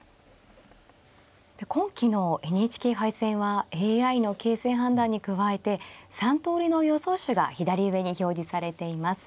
今期のＮＨＫ杯戦はＡＩの形勢判断に加えて３通りの予想手が左上に表示されています。